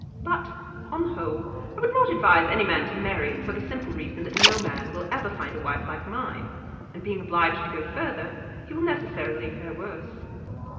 But, on the whole, I would not advise any man to marry, for the simple reason that no man will ever find a wife like mine, and being obliged to go further, he will necessarily fare worse.